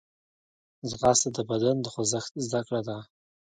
ځغاسته د بدن د خوځښت زدهکړه ده